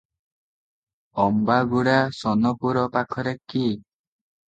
ଅମ୍ବାଗୁଡା ସୋନପୁର ପାଖରେ କି?